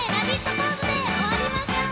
ポーズで終わりましょう！